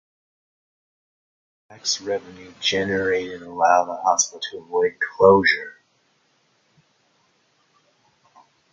The tax revenue generated allowed the hospital to avoid closure.